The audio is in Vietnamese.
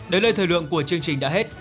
đến lời thời lượng của chương trình đã hết